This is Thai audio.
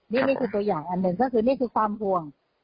นี่คือตัวอย่างอันหนึ่งก็คือนี่คือความห่วง